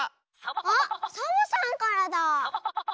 あっサボさんからだ。